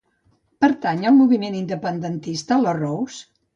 Pertany al moviment independentista la Rose?